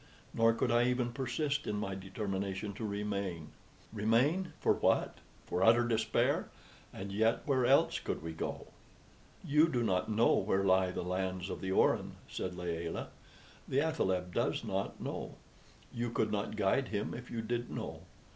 Nor could I even persist in my determination to remain. Remain! For what? For utter despair! And yet where else could we go? "You do not know where lie the lands of the Orin," said Layelah. "The athaleb does not know. You could not guide him if you did know.